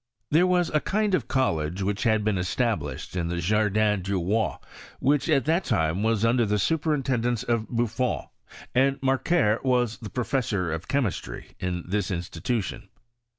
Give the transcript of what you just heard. There was a kind of college which had been esta blished in the Jardin du Roi, which at that time was under the superintendence of BuiFon, and Macquer was the professor of chemistry in this institution.